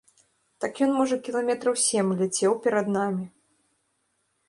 Так ён, можа, кіламетраў сем ляцеў перад намі.